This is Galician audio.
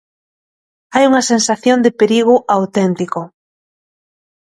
Hai unha sensación de perigo auténtico.